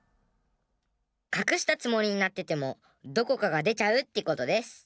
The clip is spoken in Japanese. かくしたつもりになっててもどこかがでちゃうってことデス。